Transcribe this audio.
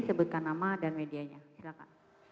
sebutkan nama dan medianya